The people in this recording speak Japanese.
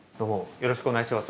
よろしくお願いします。